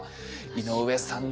井上さん